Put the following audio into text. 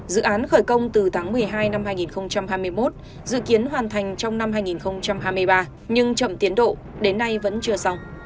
dự án khởi công từ tháng một mươi hai năm hai nghìn hai mươi một dự kiến hoàn thành trong năm hai nghìn hai mươi ba nhưng chậm tiến độ đến nay vẫn chưa xong